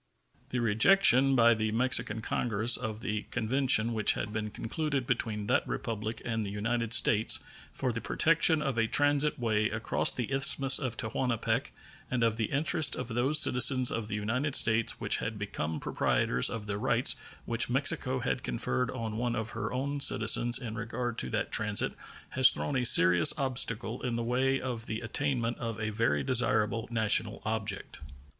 The rejection by the Mexican Congress of the convention which had been concluded between that Republic and the United States for the protection of a transit way across the Isthmus of Tehuantepec and of the interests of those citizens of the United States who had become proprietors of the rights which Mexico had conferred on one of her own citizens in regard to that transit has thrown a serious obstacle in the way of the attainment of a very desirable national object.